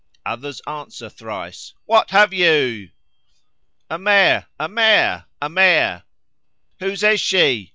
Others answer thrice, "What have you?" "A Mare! a Mare! a Mare!" "Whose is she?"